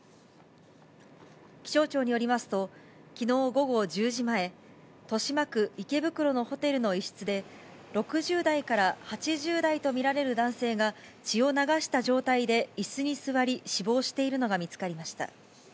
気象庁によりますと、きのう午後１０時前、豊島区池袋のホテルの一室で、６０代から８０代と見られる男性が、血を流した状態でいすに座り、死亡しているのが見つかりました。